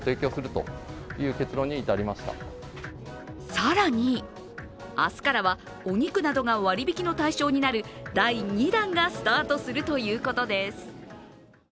更に、明日からはお肉などが割引の対象になる第２弾がスタートするということです。